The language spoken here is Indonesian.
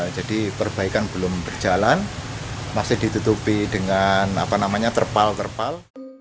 jadi perbaikan belum berjalan masih ditutupi dengan terpal terpal